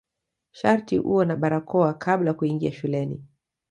Sharti uwe na barakoa kabla kuingia shuleni.